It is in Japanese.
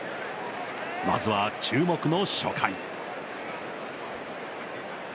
まずは注目の初回。